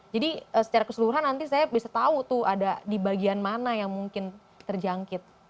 jadi secara keseluruhan nanti saya bisa tahu tuh ada di bagian mana yang mungkin terjangkit